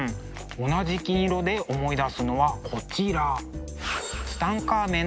同じ金色で思い出すのはこちら。